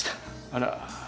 あら。